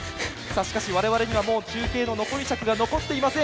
しかし我々には中継の残り尺が残っておりません。